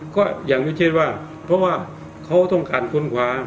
ก็อย่างวิเช่นว่าเพราะว่าเขาต้องการคนขวา